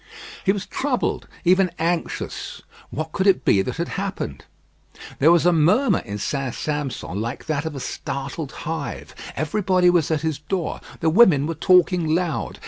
He was troubled, even anxious. What could it be that had happened. There was a murmur in St. Sampson like that of a startled hive. Everybody was at his door. The women were talking loud.